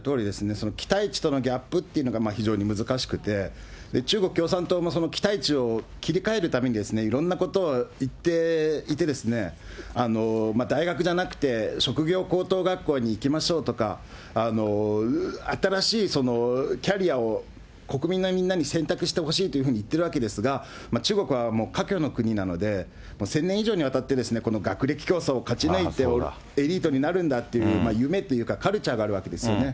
その期待値とのギャップっていうのが非常に難しくて、中国共産党もその期待値を切り替えるために、いろんなことを言っていて、大学じゃなくて職業高等学校に行きましょうとか、新しいキャリアを国民のみんなに選択してほしいと言ってるわけですが、中国はもう華僑の国なので、１０００年以上にわたって、この学歴競争を勝ち抜いて、エリートになるんだっていう夢というか、カルチャーがあるわけですよね。